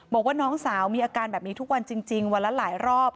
บอกว่าน้องสาวมีอาการแบบนี้ทุกวันจริงวันละหลายรอบ